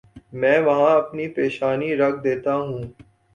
میں وہاں اپنی پیشانی رکھ دیتا ہوں۔